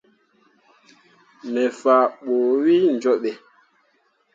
Me faa ɓu wǝ jooɓǝ.